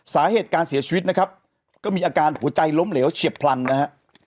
สาเหตุการเสียชีวิตนะครับก็มีอาการหัวใจล้มเหลวเฉียบพลันนะฮะ